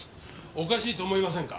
おかしいと思いませんか？